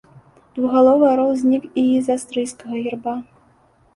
Двухгаловы арол знік і з аўстрыйскага герба.